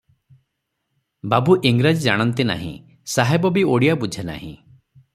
ବାବୁ ଇଂରାଜୀ ଜାଣନ୍ତି ନାହିଁ - ସାହେବ ବି ଓଡ଼ିଆ ବୁଝେ ନାହିଁ ।